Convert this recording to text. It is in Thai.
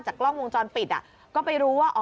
กล้องวงจรปิดก็ไปรู้ว่า